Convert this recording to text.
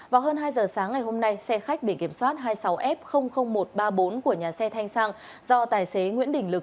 vào hơn hai giờ sáng ngày hôm nay xe khách biển kiểm soát hai mươi sáu f một trăm ba mươi bốn của nhà xe thanh sang do tài xế nguyễn đình lực